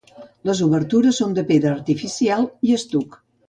Les obertures són de pedra artificial i estuc.